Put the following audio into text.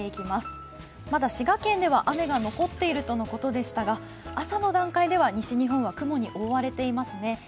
まだ滋賀県では雨が残っているとのことでしたが朝の段階では西日本は雲に覆われていますね。